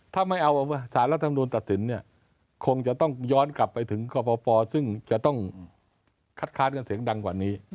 ถ้าไม่เอาสารรัฐมนุนตัดสินเนี่ยคงจะต้องย้อนกลับไปถึงกรปซึ่งจะต้องคัดค้านกันเสียงดังกว่านี้